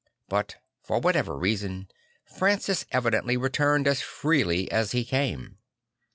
But for whatever reason Francis evidently returned as freely as he came.